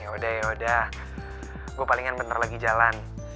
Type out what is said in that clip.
ya udah ya udah gue paling inget bentar lagi jalan